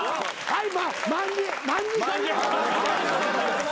はい。